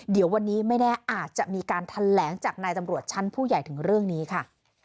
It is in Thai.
เดี๋ยววันนี้ไม่แน่อาจจะมีการแถลงจากนายตำรวจชั้นผู้ใหญ่ถึงเรื่องนี้ค่ะ